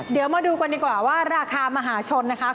เดี๋ยวมาดูกันดีกว่าว่าราคามหาชนนะคะ